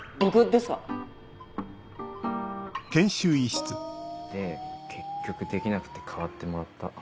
で結局できなくて代わってもらった。